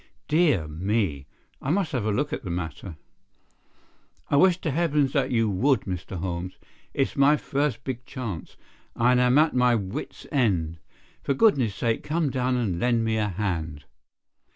"Dear me! I must have a look at the matter." "I wish to heavens that you would, Mr. Holmes. It's my first big chance, and I am at my wits' end. For goodness' sake, come down and lend me a hand."